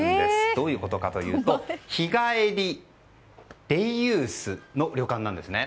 どういうことかというと日帰り、デイユースの旅館なんですね。